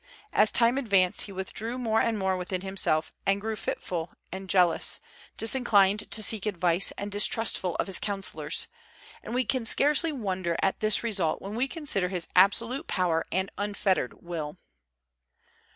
As time advanced he withdrew more and more within himself, and grew fitful and jealous, disinclined to seek advice, and distrustful of his counsellors; and we can scarcely wonder at this result when we consider his absolute power and unfettered will.